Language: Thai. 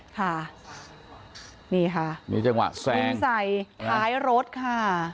ค่ะนี่ค่ะมีจังหวะแซงใส่ท้ายรถค่ะ